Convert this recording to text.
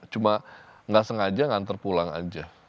cuma nggak sengaja ngantar pulang aja